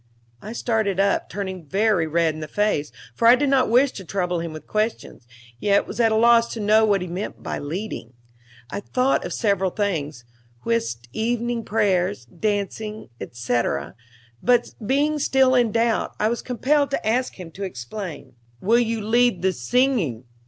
I started up, turning very red in the face, for I did not wish to trouble him with questions, yet was at a loss to know what he meant by leading. I thought of several things whist, evening prayers, dancing, etc.; but being still in doubt, I was compelled to ask him to explain. "Will you lead the singing?"